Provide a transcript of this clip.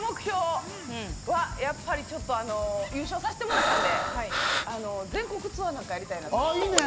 やっぱり、優勝さしてもらったんで、全国ツアーなんかやりたいと思います。